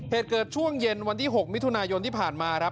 เหตุเกิดช่วงเย็นวันที่๖มิถุนายนที่ผ่านมาครับ